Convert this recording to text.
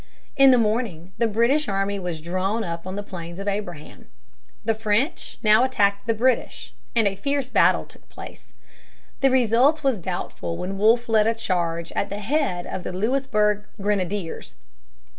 In the morning the British army was drawn up on the Plains of Abraham. The French now attacked the British, and a fierce battle took place. The result was doubtful when Wolfe led a charge at the head of the Louisburg Grenadiers.